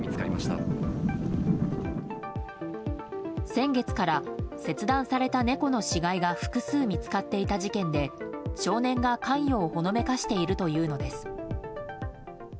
先月から切断された猫の死骸が複数見つかっていた事件で少年が関与をほのめかしているというのです。